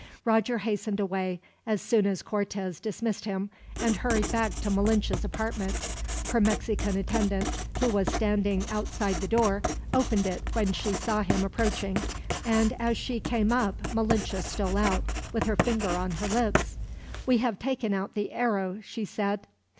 Roger hastened away, as soon as Cortez dismissed him, and hurried back to Malinche's apartment. Her Mexican attendant, who was standing outside the door, opened it when she saw him approaching; and as she came up Malinche stole out, with her finger on her lips. "We have taken out the arrow," she said.